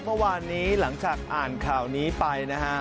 เมื่อวานนี้หลังจากอ่านข่าวนี้ไปนะฮะ